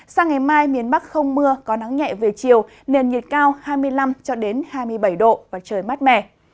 sang ngày mai miền bắc không mưa có nắng nhẹ về chiều nền nhiệt cao hai mươi năm hai mươi bảy độ và trời mát mẻ